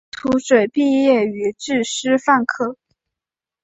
黄土水毕业自师范科